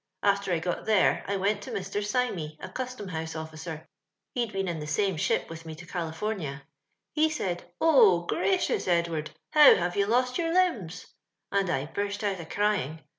After I got there, I went to Mr. Symee a Custom house officer (he'd been in the same ship with me to California) ; he said, * Oh, gra cioiis, Edward, how have you lost your limbs !' and I burst out a crying.